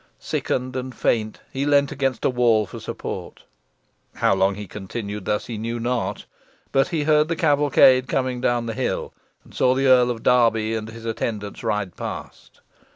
Sickened and faint, he leaned against a wall for support. How long he continued thus, he knew not, but he heard the cavalcade coming down the hill, and saw the Earl of Derby and his attendants ride past.